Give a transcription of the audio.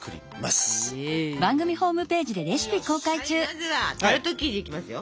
まずはタルト生地いきますよ。